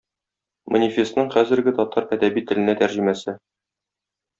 "Манифестның" хәзерге татар әдәби теленә тәрҗемәсе